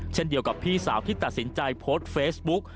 เช่นเดียวกับพี่สาวที่ตัดสินใจโพสต์เฟซบุ๊ก